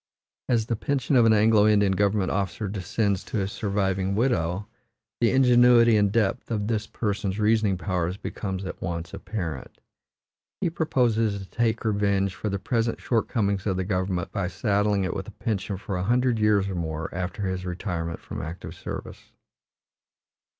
As the pension of an Anglo Indian government officer descends to his surviving widow, the ingenuity and depth of this person's reasoning powers becomes at once apparent. He proposes to take revenge for the present shortcomings of the government by saddling it with a pension for a hundred years or more after his retirement from active service.